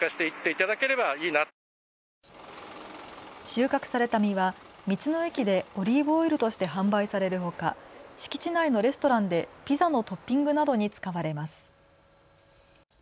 収穫された実は道の駅でオリーブオイルとして販売されるほか敷地内のレストランでピザのトッピングなどに使われます。